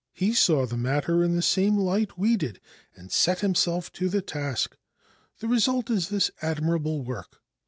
He saw the matter in the same light we did and set himself to the task. The result is this admirable work.